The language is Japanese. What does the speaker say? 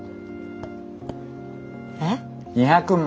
えっ？２００万。